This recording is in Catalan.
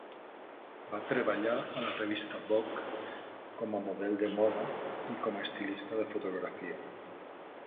Va treballar a la revista "Vogue" com a model de moda i com a estilista de fotografia.